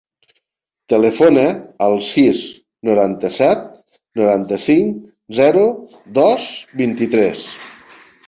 Telefona al sis, noranta-set, noranta-cinc, zero, dos, vint-i-tres.